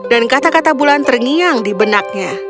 dan kata kata bulan terngiang di benaknya